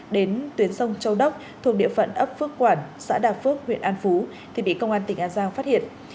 đến tuyến sông châu đốc thuộc địa phận ấp phước quản xã đà phước huyện an phú thì bị công an tỉnh an giang phát hiện